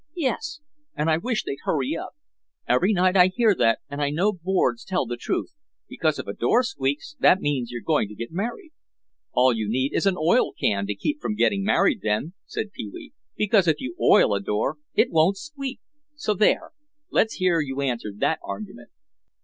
"Yes, and I wish they'd hurry up. Every night I hear that and I know boards tell the truth, because if a door squeaks that means you're going to get married." "All you need is an oil can to keep from getting married then," said Pee wee, "because if you oil a door it won't squeak. So there; let's hear you answer that argument."